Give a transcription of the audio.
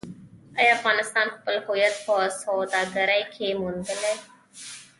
آیا افغانستان خپل هویت په سوداګرۍ کې موندلی؟